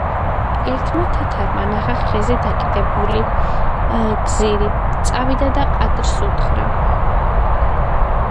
ერთმა თათარმა ნახა ხეზე დაკიდებული გზირი, წავიდა და ყადს უთხრა